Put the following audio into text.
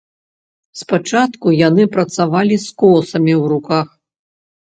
Спачатку яны працавалі з косамі ў руках.